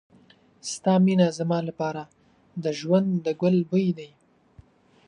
ستا مینه زما لپاره د ژوند د ګل بوی دی.